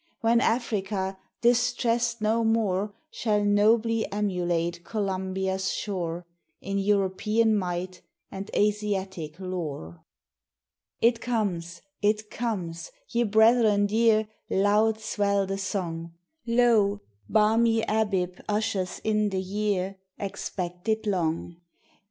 When Africa, distressed no more, Shall nobly emulate Columbia's shore, In European might, and Asiatic lore. It comes, it comes! ye brethren dear, Loud swell the song; Lo, balmy Abib ushers in the year, Expected long!